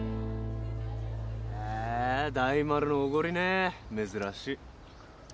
へぇ大丸のおごりねぇ珍しい。